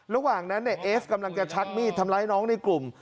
ระหว่างนั้นในเอสกำลังจะชักมีดทำร้ายน้องในกลุ่ม